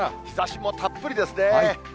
日ざしもたっぷりですね。